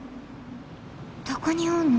どこにおんの？